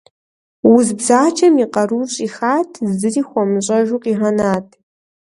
Уз бзаджэм и къарур щӀихат, зыри хуэмыщӀэжу къигъэнат.